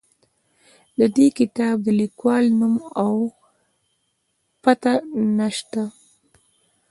د دې کتاب د لیکوال نوم او پته نه شته.